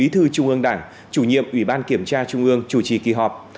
thư trung ương đảng chủ nhiệm ủy ban kiểm tra trung ương chủ trì kỳ họp